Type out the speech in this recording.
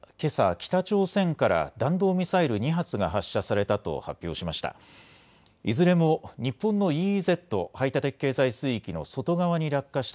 北朝鮮から弾道ミサイル２発が発射されたと発表しました。